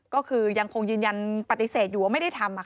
ก็คือยังคงยืนยันปฏิเสธอยู่ว่าไม่ได้ทำ